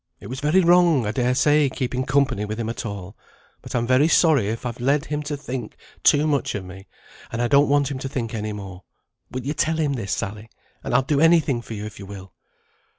It was very wrong, I dare say, keeping company with him at all, but I'm very sorry, if I've led him to think too much of me; and I don't want him to think any more. Will you tell him this, Sally? and I'll do any thing for you if you will."